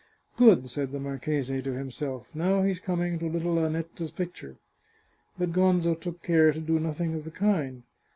" Good," said the marchese to himself ;" now he's coming to little Annetta's picture." But Gonzo took care to do nothing of the kind.